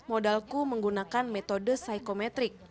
modalku menggunakan metode psychometric